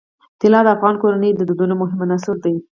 طلا د افغان کورنیو د دودونو مهم عنصر دی.